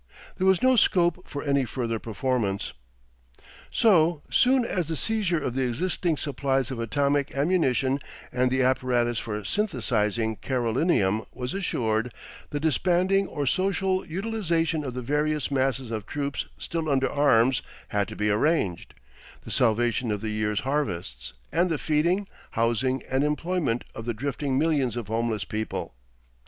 There was no scope for any further performance. So soon as the seizure of the existing supplies of atomic ammunition and the apparatus for synthesising Carolinum was assured, the disbanding or social utilisation of the various masses of troops still under arms had to be arranged, the salvation of the year's harvests, and the feeding, housing, and employment of the drifting millions of homeless people.